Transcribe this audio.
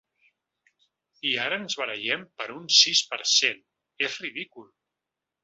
I ara ens barallem per un sis per cent… És ridícul